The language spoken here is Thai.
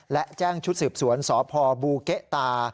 และแจ้งชุดสืบสวนสพบูเกะตา